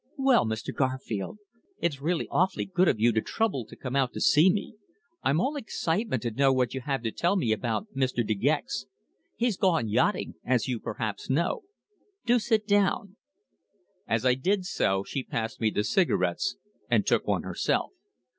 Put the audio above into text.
"Well, Mr. Garfield? It's really awfully good of you to trouble to come out to see me. I'm all excitement to know what you have to tell me about Mr. De Gex. He's gone yachting as you perhaps know. Do sit down." As I did so she passed me the cigarettes, and took one herself.